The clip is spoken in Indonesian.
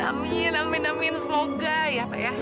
amin amin amin semoga ya pak ya